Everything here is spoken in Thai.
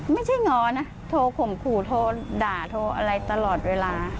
ง้อนะโทรข่มขู่โทรด่าโทรอะไรตลอดเวลา